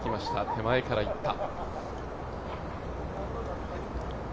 手前からいった。